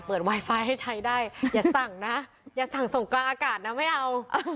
ไวไฟให้ใช้ได้อย่าสั่งนะอย่าสั่งส่งกลางอากาศนะไม่เอา